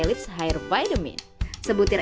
elips hair vitamin sebutir